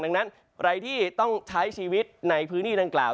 ดังนั้นใครที่ต้องใช้ชีวิตในพื้นที่ดังกล่าว